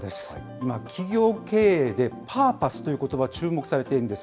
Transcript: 今、企業経営でパーパスということば、注目されているんです。